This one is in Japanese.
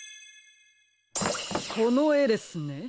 このえですね。